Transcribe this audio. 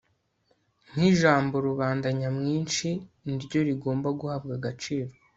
nk ijambo rubanda nyamwinshi niryo rigomba guhabwa agaciro